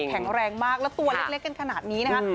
แข็งแรงมากแล้วตัวเล็กกันขนาดนี้นะคะ